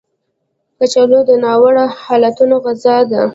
کچالو د ناوړه حالتونو غذا ده